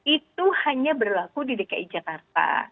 itu hanya berlaku di dki jakarta